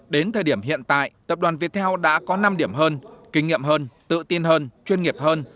đến thời điểm hiện tại tập đoàn viettel đã có năm điểm hơn kinh nghiệm hơn tự tin hơn chuyên nghiệp hơn